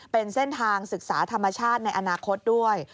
เป็นเส้นทางศึกษาธรรมชาติในอนาคตด้วย